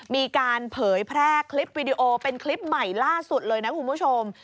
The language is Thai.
มีการเผยแพร่คลิปวิดีโอเป็นคลิปใหม่ล่าสุดเลยนะคุณผู้ชม